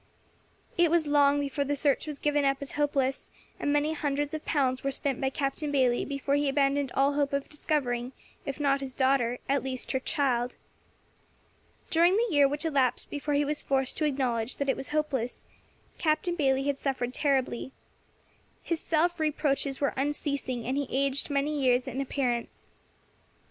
It was long before the search was given up as hopeless, and many hundreds of pounds were spent by Captain Bayley before he abandoned all hope of discovering, if not his daughter, at least her child. During the year which elapsed before he was forced to acknowledge that it was hopeless, Captain Bayley had suffered terribly. His self reproaches were unceasing, and he aged many years in appearance.